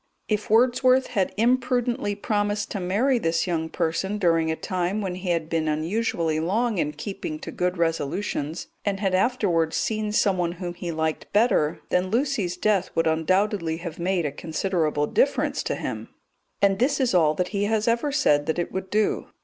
If Wordsworth had imprudently promised to marry this young person during a time when he had been unusually long in keeping to good resolutions, and had afterwards seen someone whom he liked better, then Lucy's death would undoubtedly have made a considerable difference to him, and this is all that he has ever said that it would do.